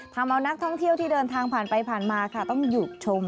ทำเอานักท่องเที่ยวที่เดินทางผ่านไปผ่านมาค่ะต้องอยู่ชม